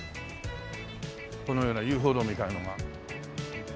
このような遊歩道みたいなのが。